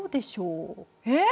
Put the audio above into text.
えっ！？